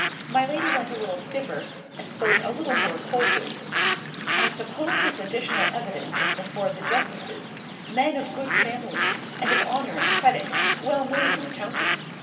My lady went a little stiffer, and spoke a little more coldly:— "I suppose this additional evidence is before the justices: men of good family, and of honour and credit, well known in the county.